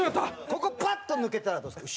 ここパッと抜けたらどうですか？